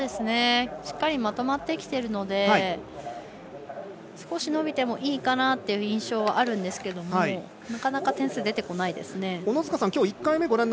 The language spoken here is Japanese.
しっかりまとまってきているので少し伸びてもいいかなという印象はあるんですけどなかなか点数出てこないですね。